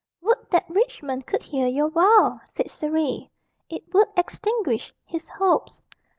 "Would that Richmond could hear your vow!" said Surrey; "it would extinguish his hopes."